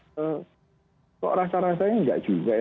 kalau rasa rasanya enggak juga ya